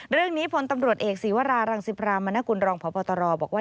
เรื่องนี้พลตำรวจเอกศีวรารังสิพรามนกุลรองพบตรบอกว่า